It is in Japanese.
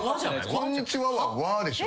こんにちはは「わ」でしょ。